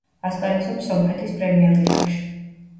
ასპარეზობს სომხეთის პრემიერლიგაში.